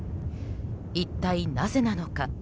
一体なぜなのか。